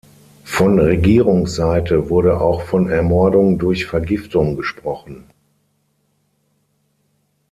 Von Regierungsseite wurde auch von Ermordung durch Vergiftung gesprochen.